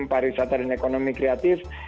para wisata dan ekonomi kreatif